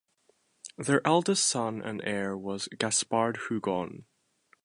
Their eldest son and heir was Gaspard Hugon.